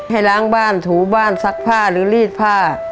ให้ล้างบ้านถูบ้านซักผ้าหรือรีดผ้า